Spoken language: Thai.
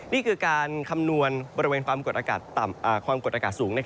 นี่คือการคำนวณบริเวณความกดอากาศสูง